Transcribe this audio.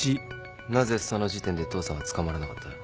なぜその時点で父さんは捕まらなかった？